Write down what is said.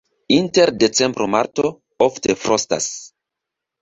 Inter decembro-marto ofte frostas.